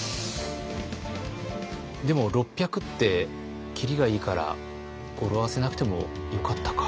でも６００って切りがいいから語呂合わせなくてもよかったか。